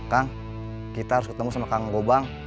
kang kita harus ketemu sama kang gobang